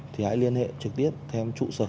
thì hãy liên hệ trực tiếp thêm trụ sở